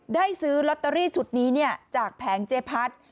ได้ซื้อลอตเตอรี่จุดนี้จากแผงเจพัฒน์